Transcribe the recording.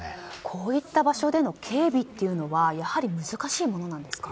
こういった場所での警備はやはり難しいものなんですか。